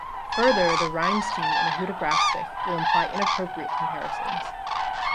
Further, the rhyme scheme in a Hudibrastic will imply inappropriate comparisons.